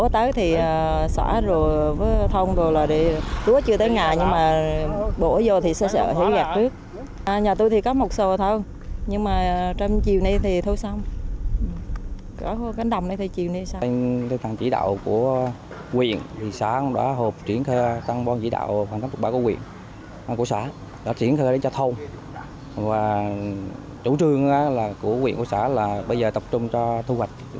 tại chủ trương của huyện của xã là bây giờ tập trung cho thu hoạch lúa hải thu